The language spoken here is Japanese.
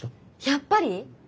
やっぱり。